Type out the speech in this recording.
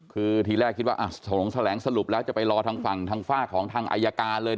คือทีแรกคิดว่าส่งหลงแสลงสรุปแล้วจะไปรอทางฝากของทางอายการเลย